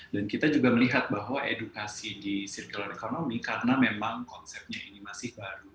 dan kita juga melihat bahwa edukasi di circular economy karena memang konsepnya ini masih baru